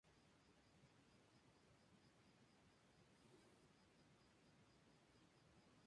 Los boletos para la gira se vendieron rápidamente y posteriormente recibió favorables críticas.